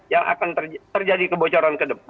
yang akan terjadi kebocoran ke depan